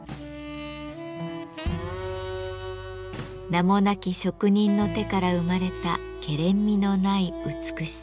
名もなき職人の手から生まれたけれんみのない美しさ。